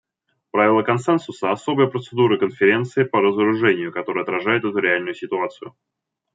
Правило консенсуса — особая процедура Конференции по разоружению, которая отражает эту реальную ситуацию.